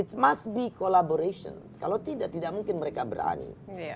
⁇ s must be collaboration kalau tidak tidak mungkin mereka berani